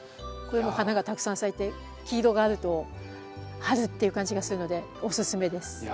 これも花がたくさん咲いて黄色があると春っていう感じがするのでおすすめです。